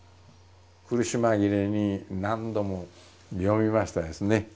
苦し紛れに何度も読みましたですね。